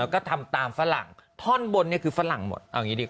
ก็ทำตามฝรั่งถ้อนบนคือฝรั่งหมด